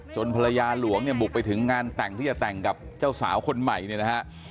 ภรรยาหลวงเนี่ยบุกไปถึงงานแต่งที่จะแต่งกับเจ้าสาวคนใหม่เนี่ยนะฮะ